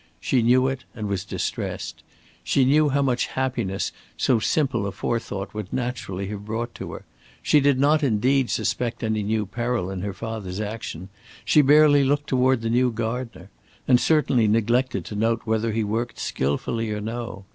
She knew it and was distressed. She knew how much happiness so simple a forethought would naturally have brought to her. She did not indeed suspect any new peril in her father's action. She barely looked toward the new gardener, and certainly neglected to note whether he worked skilfully or no.